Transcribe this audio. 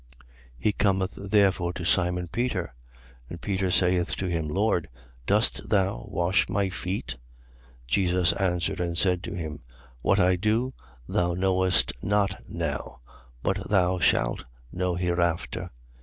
13:6. He cometh therefore to Simon Peter. And Peter saith to him: Lord, dost thou wash my feet? 13:7. Jesus answered and said to him: What I do, thou knowest not now; but thou shalt know hereafter.